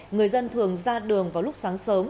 người dân thường ra đường vào lúc sáng sớm